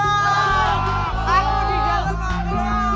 aku di dalam kamar